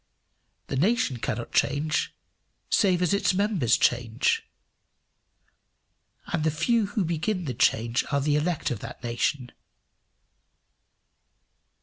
The nation cannot change save as its members change; and the few who begin the change are the elect of that nation.